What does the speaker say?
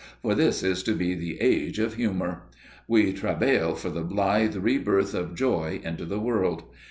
_ for this is to be the Age of Humour. We travail for the blithe rebirth of joy into the world.